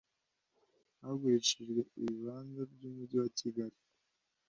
Hagurishijwe ibibanza by ‘Umujyi wa Kigali.